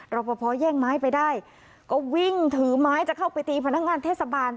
ปภแย่งไม้ไปได้ก็วิ่งถือไม้จะเข้าไปตีพนักงานเทศบาล